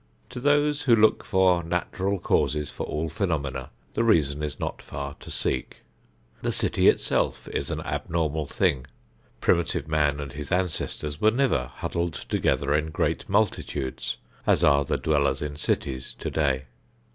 To those who look for natural causes for all phenomena the reason is not far to seek. The city itself is an abnormal thing. Primitive man and his ancestors were never huddled together in great multitudes, as are the dwellers in cities today.